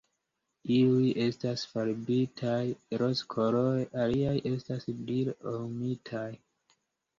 Iuj estas farbitaj rozkolore, aliaj estas brile orumitaj.